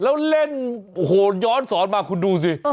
แล้วเล่นโอ้โหย้อนสอนมาคุณดูสิ